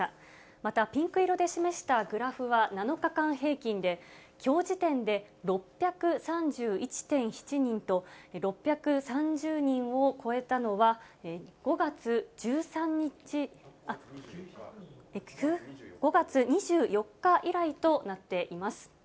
またピンク色で示したグラフは７日間平均で、きょう時点で６３１．７人と、６３０人を超えたのは、５月１３日、５月２４日以来となっています。